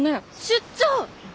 出張！